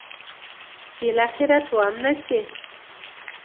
بالاخره تومنه شي.